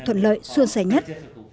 thuận lợi xuân xảy nhất